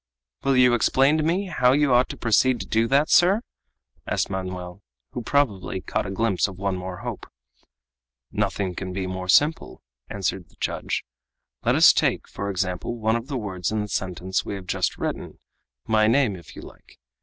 "Will you explain to me how you ought to proceed to do that, sir?" asked Manoel, who probably caught a glimpse of one more hope. "Nothing can be more simple," answered the judge. "Let us take, for example, one of the words in the sentence we have just written my name, if you like.